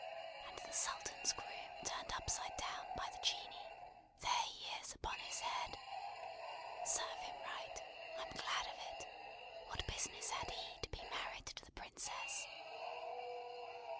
And the Sultan's Groom turned upside down by the Genii; there he is upon his head! Serve him right. I'm glad of it. What business had he to be married to the Princess!"